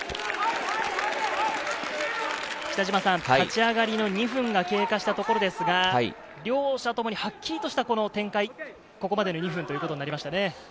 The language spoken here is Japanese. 立ち上がりの２分が経過したところですが、両者ともにはっきりとした展開、ここまでの２分ということになりましたね。